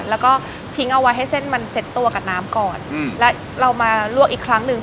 แล้วก็ทิ้งเอาไว้ให้เส้นมันเสร็จตัวกับน้ำก่อนอืมแล้วเรามาลวกอีกครั้งหนึ่ง